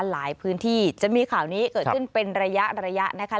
หลายพื้นที่จะมีข่าวนี้เกิดขึ้นเป็นระยะระยะนะคะ